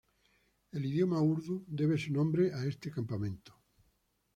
El idioma Urdu debe su nombre a este campamento.